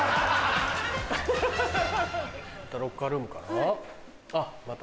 またロッカールームかなあっまた。